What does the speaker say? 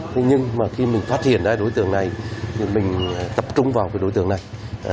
thế nhưng mà khi mình phát hiện ra đối tượng này thì mình tập trung vào cái đối tượng này